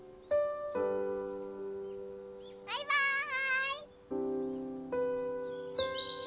バイバーイ。